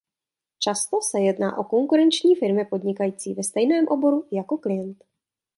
Často se jedná o konkurenční firmy podnikající ve stejném oboru jako klient.